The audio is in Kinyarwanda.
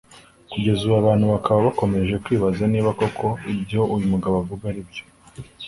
Kugeza ubu abantu bakaba bakomeje kwibaza niba koko ibyo uyu mugabo avuga ari byo